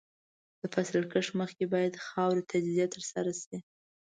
د فصل کښت مخکې باید د خاورې تجزیه ترسره شي.